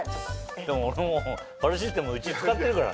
でももうパルシステムうち使ってるから。